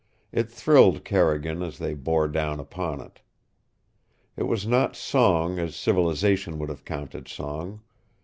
It thrilled Carrigan as they bore down upon it. It was not song as civilization would have counted song.